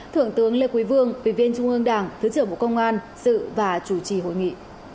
thượng tướng lê quý vương ủy viên trung ương đảng thứ trưởng bộ công an sự và chủ trì hội nghị